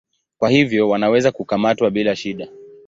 Kwa hivyo wanaweza kukamatwa bila shida.